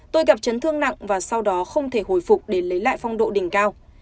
tôi gặp chấn thương nặng và sau đó không thể hồi phục để lấy lại phong độ đỉnh cao